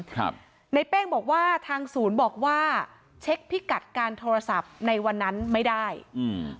ครับในเป้งบอกว่าทางศูนย์บอกว่าเช็คพิกัดการโทรศัพท์ในวันนั้นไม่ได้อืม